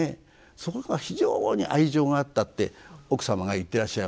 そこが非常に愛情があったって奥様が言ってらっしゃいました。